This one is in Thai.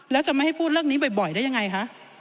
แล้วจะไม่ให้พูดเรื่องนี้บ่อยได้ยังไงคะ